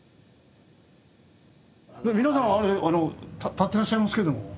皆さん立ってらっしゃいますけども。